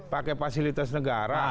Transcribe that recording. pakai fasilitas negara